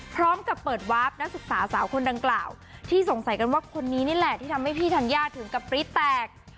พร้อมกับเปิดวาร์ฟนักศึกษาสาวคนดังกล่าวที่สงสัยกันว่าคนนี้นี่แหละที่ทำให้พี่ธัญญาถึงกับปรี๊ดแตก